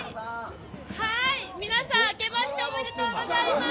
皆さんあけましておめでとうございます。